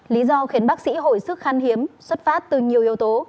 lý do khiến bác sĩ hồi sức khăn hiếm xuất phát từ nhiều yếu tố